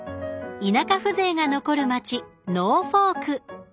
田舎風情が残る街ノーフォーク。